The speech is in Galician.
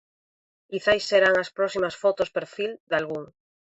Quizais serán as próximas fotos perfil dalgún.